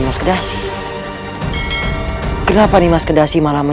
habislah kau pergi ke jejama kami